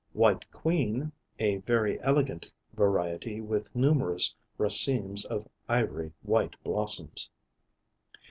White Queen, a very elegant variety with numerous racemes of ivory white blossoms.